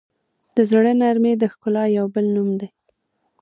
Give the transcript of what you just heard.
د زړه نرمي د ښکلا یو بل نوم دی.